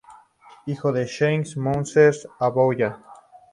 Hijo del Sheik Mohammed Abdullah.